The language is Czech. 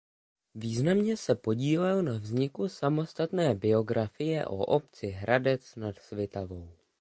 Významně se podílel na vzniku samostatné biografie o obci Hradec nad Svitavou.